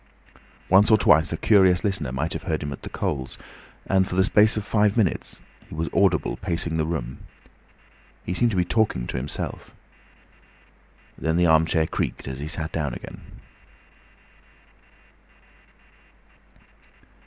Once or twice a curious listener might have heard him at the coals, and for the space of five minutes he was audible pacing the room. He seemed to be talking to himself. Then the armchair creaked as he sat down again.